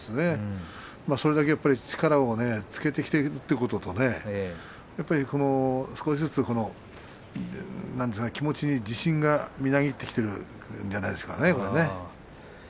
それだけ力をつけてきているということとやはり少しずつ気持ちに自信がみなぎってきているんじゃないですかね。